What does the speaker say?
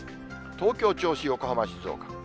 東京、銚子、横浜、静岡。